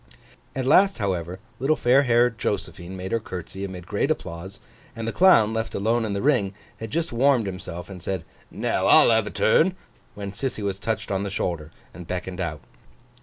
At last, however, little fair haired Josephine made her curtsey amid great applause; and the Clown, left alone in the ring, had just warmed himself, and said, 'Now I'll have a turn!' when Sissy was touched on the shoulder, and beckoned out.